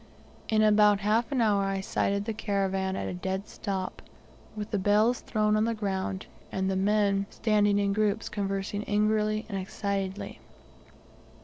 In about half an hour I sighted the caravan at a dead stop, with the bales thrown on the ground, and the men standing in groups conversing angrily and excitedly.